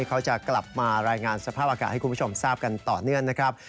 เขาจะกลับมารายงานสภาพอากาศให้คุณผู้ชมทราบกันต่อเนื่องนะครับ